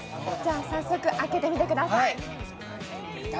早速、開けてみてください。